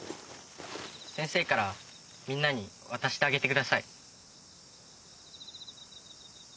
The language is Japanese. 先生からみんなに渡してあげてください。